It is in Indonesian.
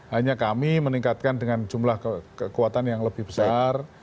hanya kami meningkatkan dengan jumlah kekuatan yang lebih besar